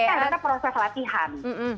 karena itu proses latihan